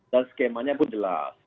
dan skemanya pun jelas